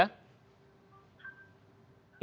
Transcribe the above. kemeren kan juga